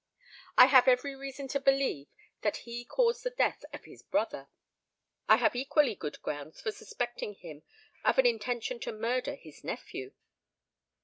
I have every reason to believe that he caused the death of his brother: I have equally good grounds for suspecting him of an intention to murder his nephew.